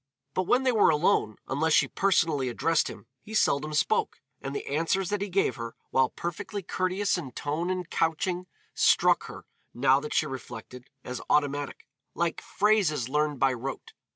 But when they were alone, unless she personally addressed him, he seldom spoke, and the answers that he gave her, while perfectly courteous in tone and couching, struck her, now that she reflected, as automatic, like phrases learned by rote.